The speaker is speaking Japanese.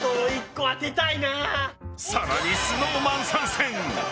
更にＳｎｏｗＭａｎ参戦。